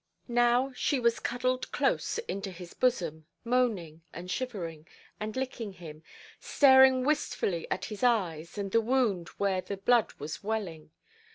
Now she was cuddled close into his bosom, moaning, and shivering, and licking him, staring wistfully at his eyes and the wound where the blood was welling.